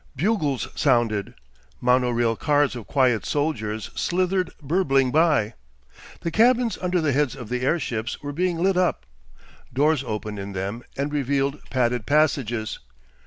Bugles sounded, mono rail cars of quiet soldiers slithered burbling by. The cabins under the heads of the airships were being lit up; doors opened in them, and revealed padded passages.